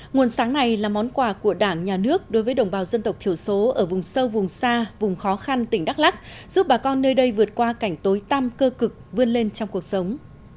nguồn sáng này là món quà của đảng nhà nước đối với đồng bào dân tộc thiểu số ở vùng sâu vùng xa vùng khó khăn tỉnh đắk lắc giúp bà con nơi đây vượt qua cảnh tối tam cơ cực vươn lên trong cuộc sống